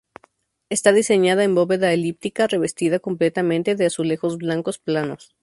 Está diseñada en bóveda elíptica revestida completamente de azulejos blancos planos.